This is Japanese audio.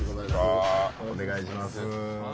お願いします。